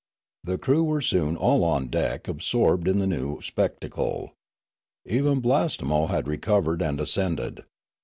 The crew were soon all on deck absorbed in the new spectacle. Even Blastemo had recovered and ascended.